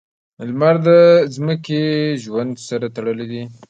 • لمر د ځمکې ژوند سره تړلی دی.